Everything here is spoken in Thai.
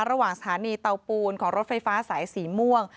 ระหว่างสถานีเตาปูนของรถไฟฟ้าสายสีม่วง